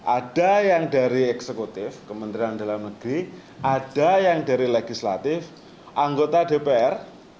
ada yang dari eksekutif kementerian dalam negeri ada yang dari legislatif anggota dpr